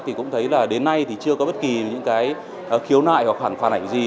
thì cũng thấy là đến nay thì chưa có bất kỳ những cái khiếu nại hoặc khoản phản ảnh gì